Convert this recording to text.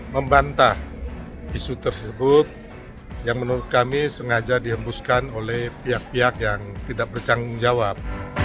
membantah isu tersebut yang menurut kami sengaja dihembuskan oleh pihak pihak yang tidak bertanggung jawab